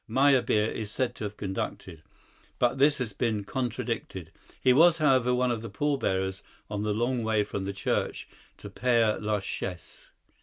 Meyerbeer is said to have conducted, but this has been contradicted. He was, however, one of the pallbearers on the long way from the church to Père la Chaise.